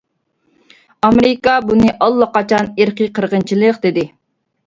ئامېرىكا بۇنى ئاللىقاچان ئىرقى قىرغىنچىلىق دېدى.